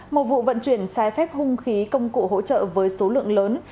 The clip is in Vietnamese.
một vụ vận chuyển trái phép hung khí công cụ hỗ trợ với số lượng lớn